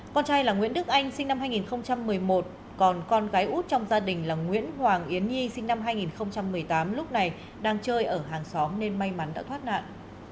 con trai là nguyễn đức anh sinh năm hai nghìn một mươi một còn con gái út trong gia đình là nguyễn hoàng yến nhi sinh năm hai nghìn một mươi tám lúc này đang chơi ở hàng xóm nên may mắn đã thoát nạn